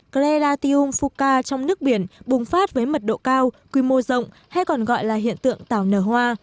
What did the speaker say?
clelatium fucca trong nước biển bùng phát với mật độ cao quy mô rộng hay còn gọi là hiện tượng tàu nở hoa